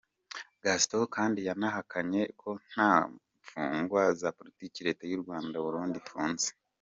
Gaston kandi yanahakanye ko nta mfungwa za politiki Leta y’u Burundi ifunze.